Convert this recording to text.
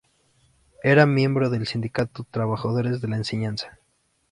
Era miembro del sindicato Trabajadores de la Enseñanza.